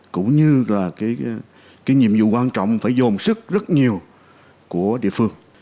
cũng như là cái nhiệm vụ quan trọng phải dồn sức rất nhiều của địa phương